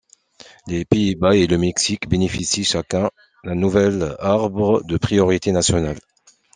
Les Pays-Bas et le Mexique bénéficient chacun d'un nouvel arbre de priorités nationales.